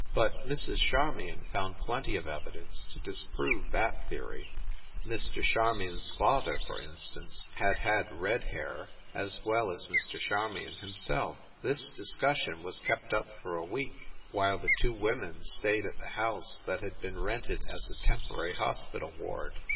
But Mrs. Charmion found plenty of evidence to dis prove that theory. Mr. Charmion s father, for in stance, had had red hair, as well as Mr. Charmion himself. This discussion was kept up for a week, while the" two women stayed at the house that had been rented as a temporary hospital ward.